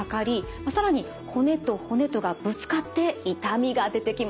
更に骨と骨とがぶつかって痛みが出てきます。